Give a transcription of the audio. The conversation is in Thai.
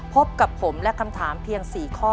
พบกับผมและคำถามเพียง๔ข้อ